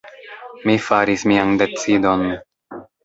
Mi faris mian decidon.